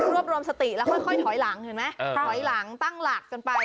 รวบรวมสติแล้วค่อยถอยหลังเห็นไหมถอยหลังตั้งหลักกันไป